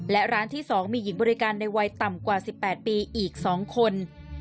และร้านที่๒มีหญิงบริการในวัยต่ำกว่า๑๘ปีอีก๒คน